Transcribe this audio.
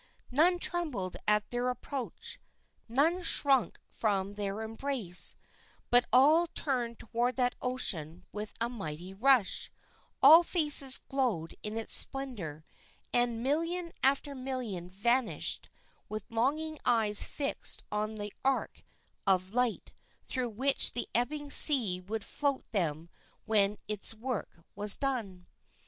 None trembled at their approach, none shrunk from their embrace, but all turned toward that ocean with a mighty rush, all faces glowed in its splendor, and million after million vanished with longing eyes fixed on the arch of light through which the ebbing sea would float them when its work was done.